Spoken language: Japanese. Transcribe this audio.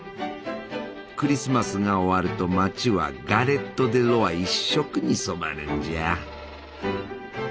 クリスマスが終わると町はガレット・デ・ロワ一色に染まるんじゃ。